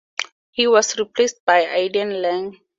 He was replaced by Aidan Lang.